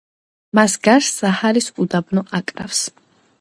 მას გარს საჰარის უდაბნო აკრავს.